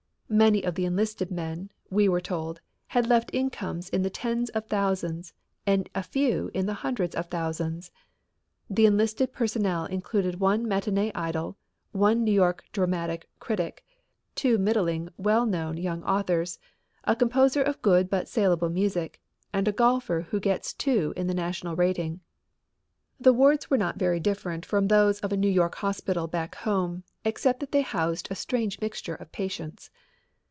Many of the enlisted men, we were told, had left incomes in the tens of thousands and a few in the hundreds of thousands. The enlisted personnel included one matinee idol, one young New York dramatic critic, two middling well known young authors, a composer of good but saleable music, and a golfer who gets two in the national rating. The wards were not very different from those of a New York hospital back home, except that they housed a strange mixture of patients.